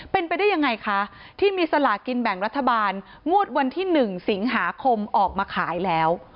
เป็นไปได้ยังไงคะที่มีสลากินแบ่งรัฐบาลงวดวันที่๑สิงหาคมออกมาขายแล้ว